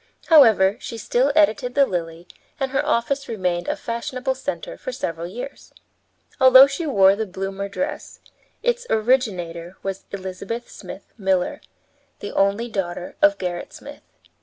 However, she still edited the Lily, and her office remained a fashionable center for several years. Although she wore the bloomer dress, its originator was Elizabeth Smith Miller, the only daughter of Gerrit Smith.